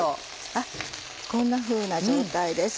こんなふうな状態です